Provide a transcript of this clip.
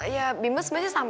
ya bimbel sebenarnya sama